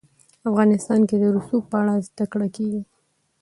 افغانستان کې د رسوب په اړه زده کړه کېږي.